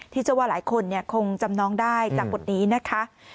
เชื่อว่าหลายคนคงจำน้องได้จากบทนี้นะคะ